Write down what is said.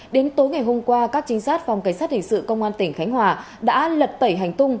đến tối ngày hôm qua các trinh sát phòng cảnh sát hình sự công an tỉnh khánh hòa đã lật tẩy hành tung